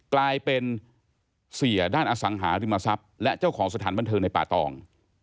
กลายเป็นเสียด้านอสังหาริมทรัพย์และเจ้าของสถานบันเทิงในป่าตอง